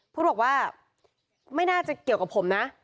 บอกว่าไม่น่าจะเกี่ยวกับผมนะ